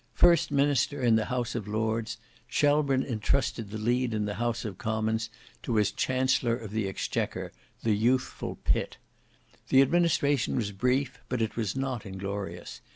First minister in the House of Lords, Shelburne entrusted the lead in the House of Commons to his Chancellor of the Exchequer, the youthful Pitt. The administration was brief, but it was not inglorious.